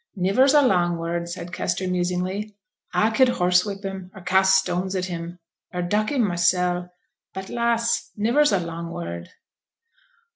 'Niver's a long word,' said Kester, musingly. 'A could horsewhip him, or cast stones at him, or duck him mysel'; but, lass! niver's a long word!'